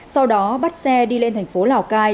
sau đó bắt xe đi lên thành phố lào cai